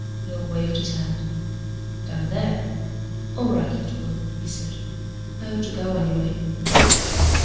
Hale waved his hand. "Down there. All right, little girl," he said. "I ought to go, anyway."